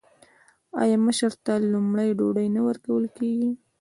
آیا مشر ته لومړی ډوډۍ نه ورکول کیږي؟